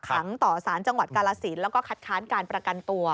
ขังต่อสารจังหวัดกาลสินแล้วก็คัดค้านการประกันตัว